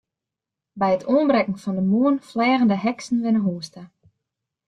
By it oanbrekken fan de moarn fleagen de heksen wer nei hús ta.